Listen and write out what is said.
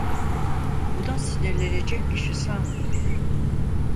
Buna sinirlenecek kişi Sam'dir.